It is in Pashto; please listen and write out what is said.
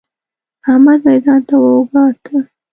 احمد ميدان وګاټه!